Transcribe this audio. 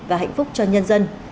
và hạnh phúc cho nhân dân